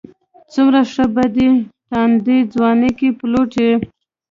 څومره ښه په دې تانده ځوانۍ کې پيلوټ یې.